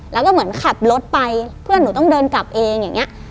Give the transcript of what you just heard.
แล้วก็เหมือนขับรถไปเพื่อนหนูต้องเดินกลับเองอย่างนี้